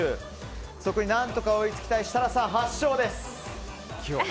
そこに何とか追いつきたい設楽さん、８勝です。